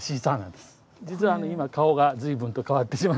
今顔が随分と変わって。